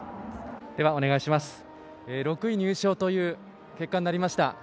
６位入賞という結果になりました。